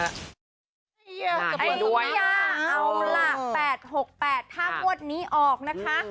เอาล่ะแฟ้ดหกแฟ้ดถ้ามวดนี้ออกนะคะ